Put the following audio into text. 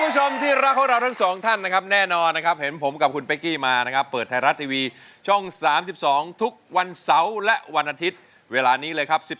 สามสาวและวันอาทิตย์เวลานี้เลยครับ